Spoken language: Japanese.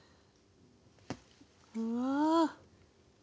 うわ。